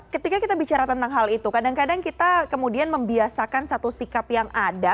ketika kita bicara tentang hal itu kadang kadang kita kemudian membiasakan satu sikap yang ada